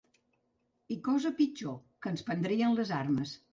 I cosa pitjor, que ens prendrien les armes